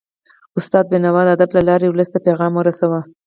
استاد بينوا د ادب له لارې ولس ته پیغام ورساوه.